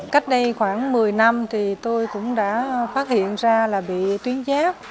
cách đây khoảng một mươi năm thì tôi cũng đã phát hiện ra là bị tuyến giác